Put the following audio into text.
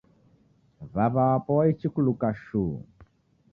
W'aw'a wapo waichi kuluka shuu